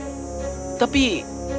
tapi apa yang harus kuberikan pada anjing